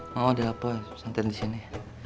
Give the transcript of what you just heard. mau di hapo santri disini